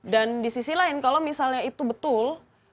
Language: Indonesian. dan di sisi lain kalau misalnya itu betul